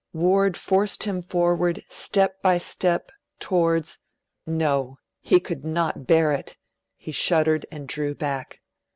Ward forced him forward step by step towards no! he could not bear it; he shuddered and drew back.